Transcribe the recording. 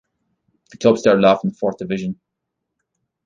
The club started off in the Fourth Division.